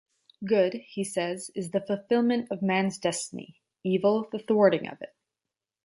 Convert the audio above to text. Good, he says, is the fulfilment of man's destiny, evil the thwarting of it.